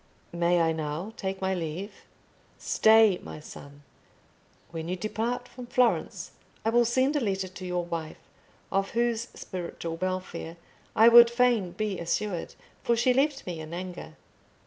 May I now take my leave?" "Stay, my son. When you depart from Florence I will send a letter to your wife, of whose spiritual welfare I would fain be assured, for she left me in anger.